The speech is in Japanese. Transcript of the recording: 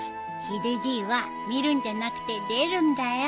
ヒデじいは見るんじゃなくて出るんだよ。